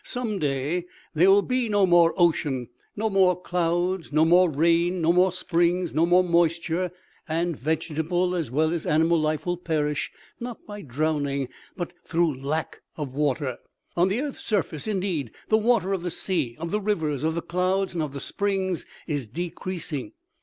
Some day there will be no more ocean, no more clouds, no 9 2 OMEGA. more rain, no more springs, no more moisture, and vegeta ble as well as animal life will perish, not by drowning, but through lack of water. " On the earth's surface, indeed, the water of the sea, of the rivers, of the clouds, and of the springs, is decreasing.